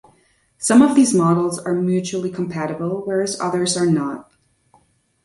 Some of these models are mutually compatible, whereas others are not.